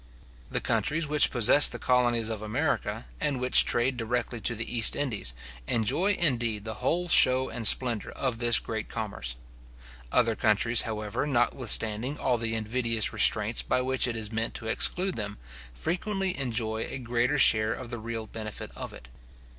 The countries which possess the colonies of America, and which trade directly to the East Indies, enjoy indeed the whole show and splendour of this great commerce. Other countries, however, notwithstanding all the invidious restraints by which it is meant to exclude them, frequently enjoy a greater share of the real benefit of it.